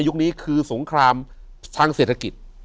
อยู่ที่แม่ศรีวิรัยิลครับ